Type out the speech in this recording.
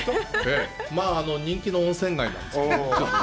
まあ、人気の温泉街なんですけどね。